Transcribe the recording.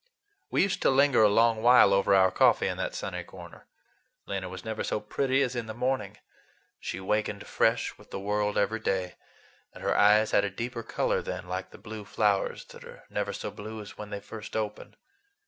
We used to linger a long while over our coffee in that sunny corner. Lena was never so pretty as in the morning; she wakened fresh with the world every day, and her eyes had a deeper color then, like the blue flowers that are never so blue as when they first open.